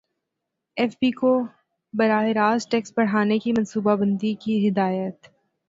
F B کو براہ راست ٹیکس بڑھانے کی منصوبہ بندی کی ہدایت